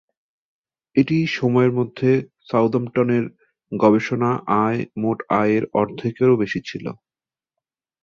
এই সময়ের মধ্যে, সাউদাম্পটনের গবেষণা আয় মোট আয়ের অর্ধেকেরও বেশি ছিল।